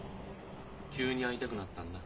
急に会いたくなったんだ。